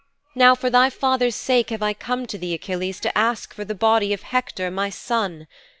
Now for thy father's sake have I come to thee, Achilles, to ask for the body of Hector, my son.